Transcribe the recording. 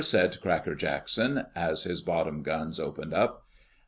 said Cracker Jackson, as his bottom guns opened up.